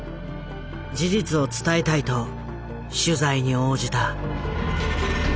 事実を伝えたいと取材に応じた。